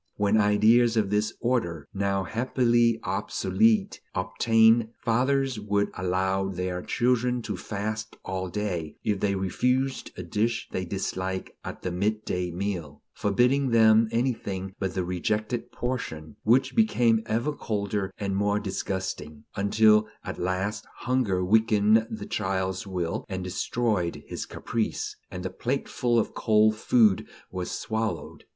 When ideas of this order, now happily obsolete, obtained, fathers would allow their children to fast all day, if they refused a dish they disliked at the mid day meal, forbidding them anything but the rejected portion, which became ever colder and more disgusting, until at last hunger weakened the child's will and destroyed his caprice, and the plateful of cold food was swallowed.